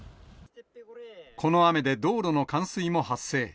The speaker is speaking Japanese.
この雨で道路の冠水も発生。